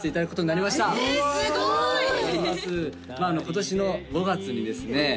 今年の５月にですね